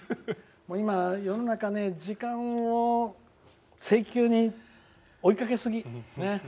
今、世の中時間を性急に追いかけすぎ。